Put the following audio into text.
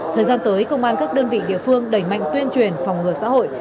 thời gian tới công an các đơn vị địa phương đẩy mạnh tuyên truyền phòng ngừa xã hội